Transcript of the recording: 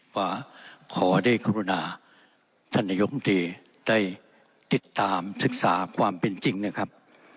ว่าขอได้กรุณาท่านนายมตรีได้ติดตามศึกษาความเป็นจริงนะครับ